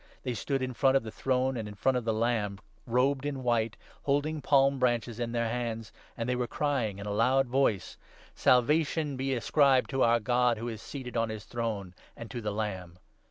They stood in front of the throne and in front of the Lamb, robed in white, holding palm branches in their hands. And they are crying in a loud 10 voice —' Salvation be ascribed to our God who is seated on his throne and to the Lamb.'